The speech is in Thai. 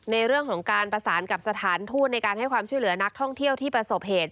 ในเรื่องของการประสานกับสถานทูตในการให้ความช่วยเหลือนักท่องเที่ยวที่ประสบเหตุ